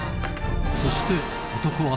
そして男は